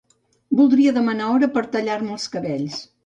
Voldria demanar hora per tallar-me els cabells.